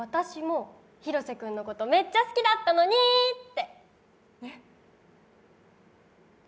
私もヒロセ君のことめっちゃ好きだったのにって。